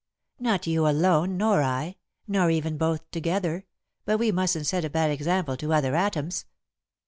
"Not you alone, nor I, nor even both together, but we mustn't set a bad example to other atoms.